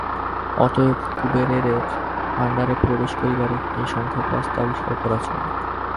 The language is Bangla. অতএব কুবেরের ভাণ্ডারে প্রবেশ করিবার একটা সংক্ষেপ রাস্তা আবিষ্কার করা চাই।